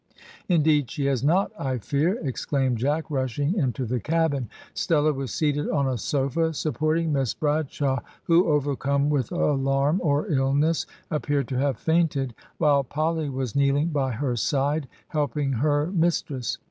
"Indeed she has not, I fear," exclaimed Jack, rushing into the cabin. Stella was seated on a sofa, supporting Miss Bradshaw, who, overcome with alarm or illness, appeared to have fainted, while Polly was kneeling by her side, helping her mistress.